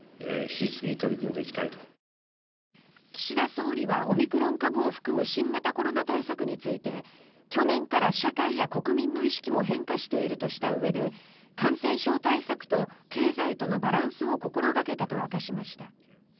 岸田総理はオミクロン株を含む新型コロナ対策について去年から社会や国民の意識も変化しているとしたうえで感染症対策と経済とのバランスを心掛けたと明かしました。